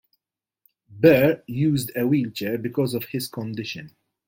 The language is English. Burr used a wheelchair because of his condition.